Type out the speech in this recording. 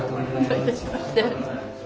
どういたしまして。